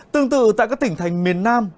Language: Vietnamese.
tương tự tại các tỉnh thành miền nam